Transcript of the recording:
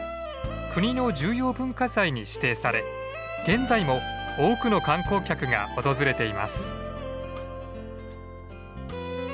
国の重要文化財に指定され現在も多くの観光客が訪れています。